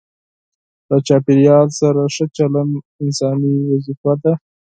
له چاپیریال سره ښه چلند انساني وظیفه ده.